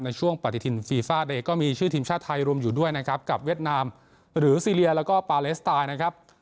ในช่วงปฏิทินฟีฟ่าเดย์ก็มีชื่อทีมชาติไทยรวมอยู่ด้วยนะครับกับเวียดนามหรือซีเรียแล้วก็ปาเลสไตล์นะครับ